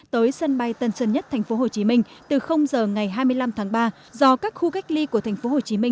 tới sân bay tân sơn nhất tp hcm từ giờ ngày hai mươi năm tháng ba do các khu cách ly của tp hcm